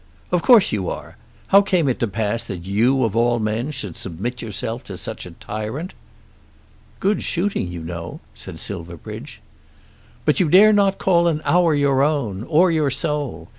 "Of course you are. How came it to pass that you of all men should submit yourself to such a tyrant?" "Good shooting, you know," said Silverbridge. "But you dare not call an hour your own or your soul. Mr.